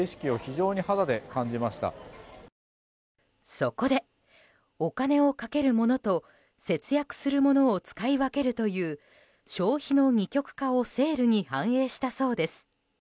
そこで、お金をかけるものと節約するものを使い分けるという消費の二極化をセールに反映したそうです。